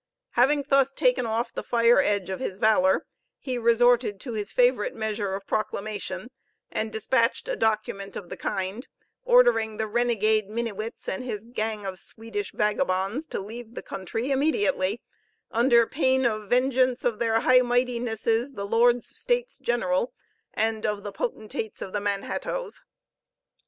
Having thus taken off the fire edge of his valor, he resorted to his favorite measure of proclamation, and despatched a document of the kind, ordering the renegade Minnewits and his gang of Swedish vagabonds to leave the country immediately, under pain of vengeance of their High Mightinesses the Lords States General, and of the potentates of the Manhattoes.